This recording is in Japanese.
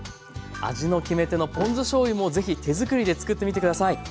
味の決め手のポン酢しょうゆも是非手作りで作ってみて下さい。